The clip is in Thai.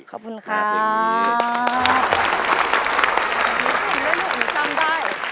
ขอบคุณค่าาาา